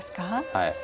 はい。